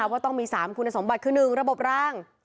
ว่าต้องมี๓คุณสมบัติคือ๑ระบบร่าง